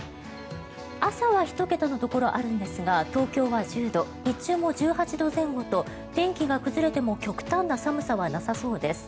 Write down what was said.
朝は１桁のところがあるんですが東京は１０度日中も１８度前後と天気が崩れても極端な寒さはなさそうです。